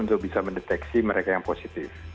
untuk bisa mendeteksi mereka yang positif